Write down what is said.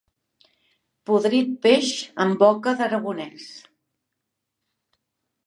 Podrit peix en boca d'aragonès.